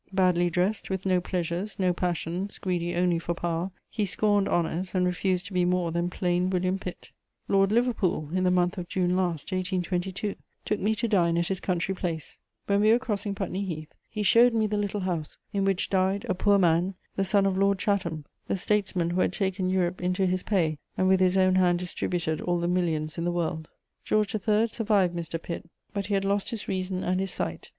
Badly dressed, with no pleasures, no passions, greedy only for power, he scorned honours, and refused to be more than plain William Pitt. Lord Liverpool, in the month of June last, 1822, took me to dine at his country place: when we were crossing Putney Heath, he showed me the little house in which died, a poor man, the son of Lord Chatham, the statesman who had taken Europe into his pay and with his own hand distributed all the millions in the world. George III. survived Mr. Pitt, but he had lost his reason and his sight.